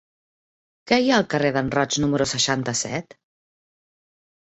Què hi ha al carrer d'en Roig número seixanta-set?